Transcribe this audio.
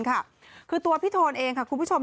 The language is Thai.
คือตัวพี่โทนเองค่ะคุณผู้ชม